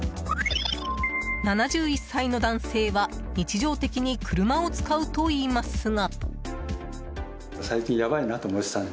７１歳の男性は日常的に車を使うといいますが。